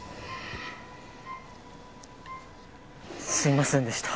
すいませんでした。